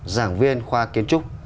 giảng viên khoa kiến trúc